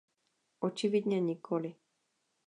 Očividně nikoli.